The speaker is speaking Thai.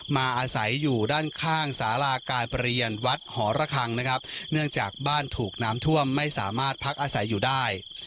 อาศัยอยู่ด้านข้างสาราการประเรียนวัดหอระคังนะครับเนื่องจากบ้านถูกน้ำท่วมไม่สามารถพักอาศัยอยู่ได้